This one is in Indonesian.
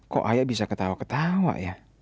kok ayah bisa ketawa ketawa ya